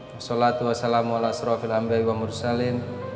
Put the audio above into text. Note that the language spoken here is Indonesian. wassalatu wassalamu ala asrofi alhamdulillahi wa barakatu